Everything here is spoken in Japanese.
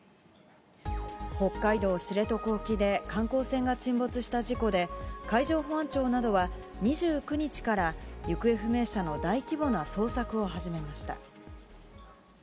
北海道知床沖で観光船が沈没した事故で、海上保安庁などは、２９日から行方不明者の大規模な捜索を始めました。